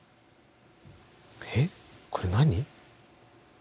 えっこれ何？